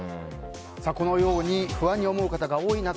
このように不安に思う方が多い中